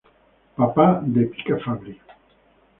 Papa de Pica Fabbri.